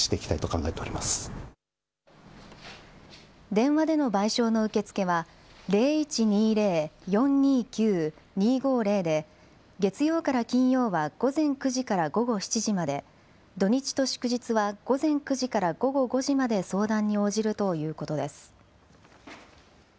電話での賠償の受け付けは、０１２０ー４２９ー２５０で、月曜から金曜は午前９時から午後７時まで、土日と祝日は午前９時から午後５時まで相談に応じるということです。